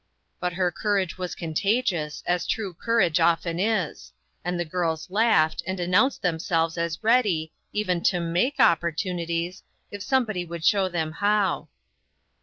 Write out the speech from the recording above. But her courage was contagious, as true courage often is, and the girls laughed, and an nounced themselves as ready, even to make opportunities, if somebody would show them how.